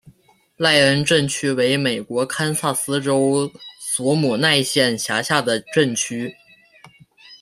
赖恩镇区为美国堪萨斯州索姆奈县辖下的镇区。